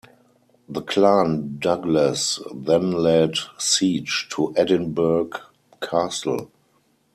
The Clan Douglas then laid siege to Edinburgh Castle.